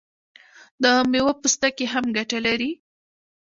د میوو پوستکي هم ګټه لري.